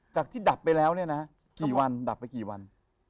จากที่ดับไปแล้วเนี่ยนะกี่วันดับไปกี่วัน